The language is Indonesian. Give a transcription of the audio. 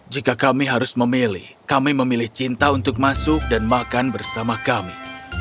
jika kami harus memilih kami memilih cinta untuk masuk dan makan bersama kami